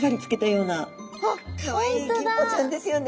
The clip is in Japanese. かわいいギンポちゃんですよね。